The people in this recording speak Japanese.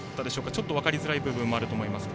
ちょっと分かりづらい部分もあるかと思いますが。